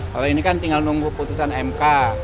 kalau ini kan tinggal nunggu putusan mk